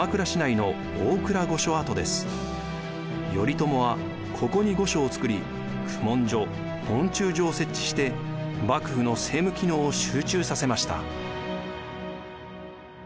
頼朝はここに御所を造り公文所問注所を設置して幕府の政務機能を集中させました。